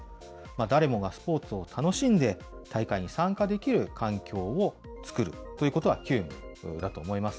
誰もがスポーツを楽しんで大会に参加できる環境を作るということが急務だと思います。